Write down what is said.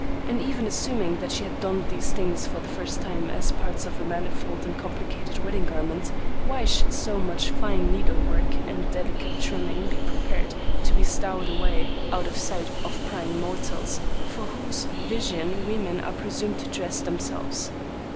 And even assuming that she donned these things for the first time as parts of a manifold and complicated wedding garment, why should so much fine needle work and delicate trimming be prepared to be stowed away out of sight of prying mortals, for whose vision women are presumed to dress themselves?